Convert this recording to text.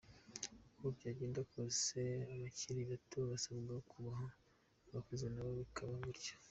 Uko byagenda kose abakiri bato basabwa kubaha abakuze n’abo bikaba bityo.